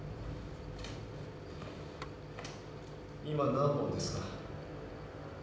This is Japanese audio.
今何本ですか？